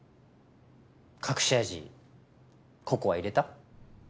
隠し味ココア入れた？